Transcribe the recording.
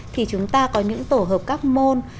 thì chúng ta có những tổ hợp các môn